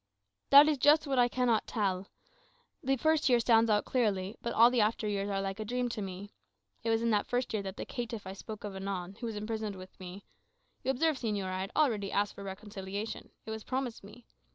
"That is just what I cannot tell. The first year stands out clearly; but all the after years are like a dream to me. It was in that first year that the caitiff I spoke of anon, who was imprisoned with me you observe, señor, I had already asked for reconciliation. It was promised me.